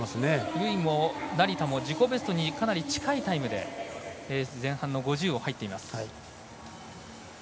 由井も成田も自己ベストに近いタイムで前半の５０を入っています。